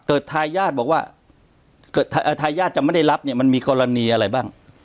ทายาทบอกว่าทายาทจะไม่ได้รับเนี่ยมันมีกรณีอะไรบ้าง